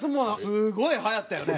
すごいはやったよね。